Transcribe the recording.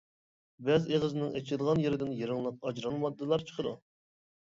بەز ئېغىزىنىڭ ئېچىلغان يېرىدىن يىرىڭلىق ئاجرالما ماددىلار چىقىدۇ.